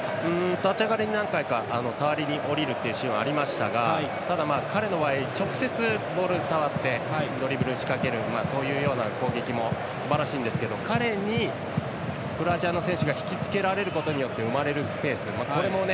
立ち上がりに何回か触りにおりるシーンはありましたがただ、彼の場合直接ボールに触ってドリブルを仕掛けるそういうような攻撃もすばらしいんですけど彼にクロアチアの選手が引き付けられることによって生まれるスペース、これもね